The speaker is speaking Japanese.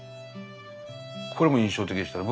これも印象的でしたね。